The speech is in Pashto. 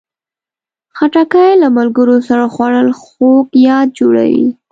خټکی له ملګرو سره خوړل خوږ یاد جوړوي.